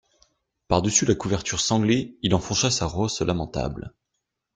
Par-dessus la couverture sanglée, il enfourcha sa rosse lamentable.